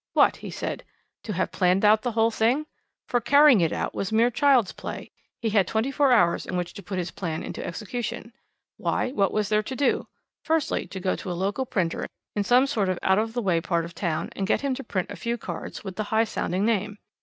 "What?" he said. "To have planned out the whole thing? For carrying it out was mere child's play. He had twenty four hours in which to put his plan into execution. Why, what was there to do? Firstly, to go to a local printer in some out of the way part of the town and get him to print a few cards with the high sounding name.